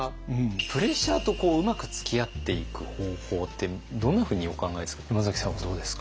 プレッシャーとうまくつきあっていく方法ってどんなふうにお考えですか？